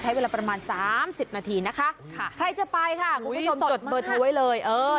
ใช้เวลาประมาณสามสิบนาทีนะคะใครจะไปค่ะคุณผู้ชมจดเบอร์โทรไว้เลยเออ